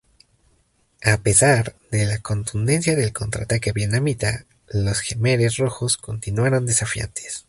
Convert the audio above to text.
A pesar de la contundencia del contraataque vietnamita, los Jemeres rojos continuaron desafiantes.